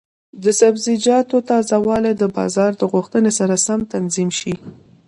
د سبزیجاتو تازه والي د بازار د غوښتنې سره سم تنظیم شي.